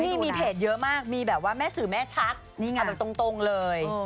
นี่มีเพจเยอะมากมีแบบว่าแม่สื่อแม่ชักนี่ไงแบบตรงเลย